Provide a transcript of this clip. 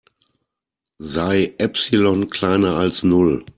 Sei Epsilon kleiner als Null.